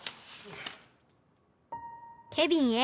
「ケビンへ。